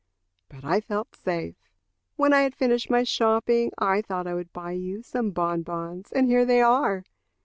But I felt safe. When I had finished my shopping, I thought I would buy you some bonbons, and here they are.